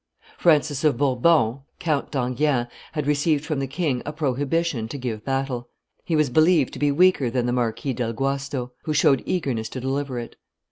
Francis of Bourbon, Count d'Enghien, had received from the king a prohibition to give battle. He was believed to be weaker than the Marquis del Guasto, who showed eagerness to deliver it.